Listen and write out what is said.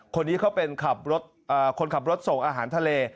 คนนี้เขาเป็นคนขับรถส่งอาหารทะเล